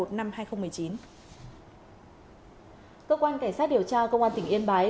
cơ quan cảnh sát điều tra công an tỉnh yên bái